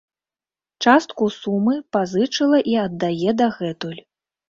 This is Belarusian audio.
Частку сумы пазычыла і аддае дагэтуль.